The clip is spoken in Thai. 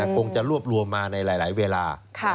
คงจะรวบรวมมาในหลายเวลา